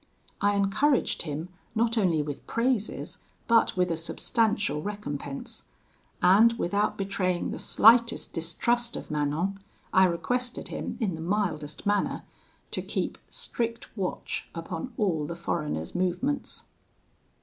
I encouraged him, not only with praises, but with a substantial recompense; and without betraying the slightest distrust of Manon, I requested him, in the mildest manner, to keep strict watch upon all the foreigner's movements.